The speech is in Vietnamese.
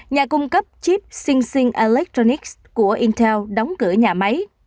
nhà cung cấp chip xinxin electronics của intel đóng cửa nhà máy